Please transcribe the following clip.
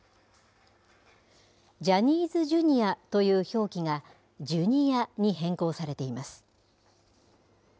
ジャニーズＪｒ．という表記がジュニアに変更されています。